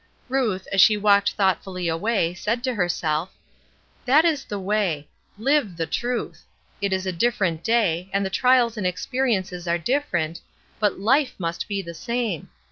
Ruth, as she walked thoughtfully away, said to herself: "That is the way. Live the truth. It is a different day, and the trials and experiences are different, but life must be the same.